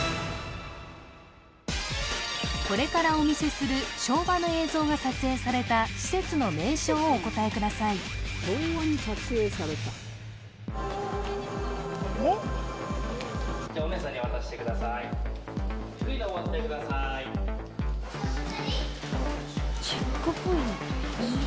これからお見せする昭和の映像が撮影された施設の名称をお答えください昭和に撮影された・じゃあお姉さんに渡してくださいクイズを持ってくださいチェックポイント？